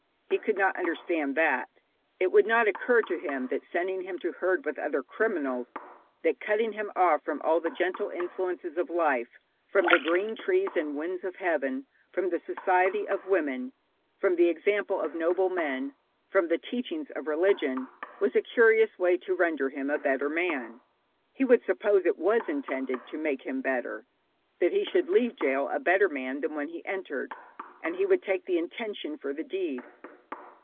He could not understand that. It would not occur to him that sending him to herd with other criminals, that cutting him off from all the gentle influences of life, from the green trees and the winds of heaven, from the society of women, from the example of noble men, from the teachings of religion, was a curious way to render him a better man. He would suppose it was intended to make him better, that he should leave gaol a better man than when he entered, and he would take the intention for the deed.